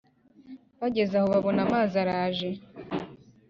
Bageze aho babona amazi araje.